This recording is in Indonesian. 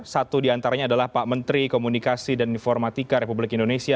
satu diantaranya adalah pak menteri komunikasi dan informatika republik indonesia